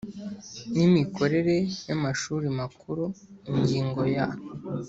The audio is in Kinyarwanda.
nimikorere y’Amashuri Makuru ingingo ya